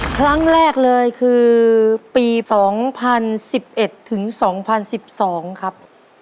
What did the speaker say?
ครั้งแรกเลยคือปี๒๐๑๑ถึง๒๐๑๒ครับ